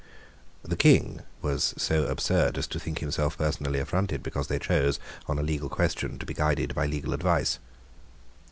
The King was so absurd as to think himself personally affronted because they chose, on a legal question, to be guided by legal advice.